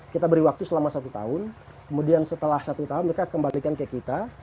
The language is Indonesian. kita beri waktu selama satu tahun kemudian setelah satu tahun mereka kembalikan ke kita